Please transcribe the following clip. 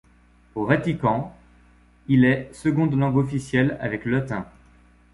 Au Vatican, il est seconde langue officielle avec le latin.